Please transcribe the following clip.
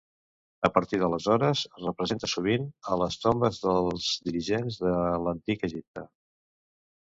A partir d'aleshores, es representa sovint a les tombes dels dirigents de l'antic Egipte.